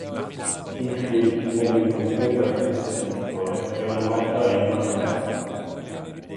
Il film, nelle intenzioni del regista e produttore, è un omaggio a Ingmar Bergman.